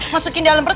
masukin di dalam perut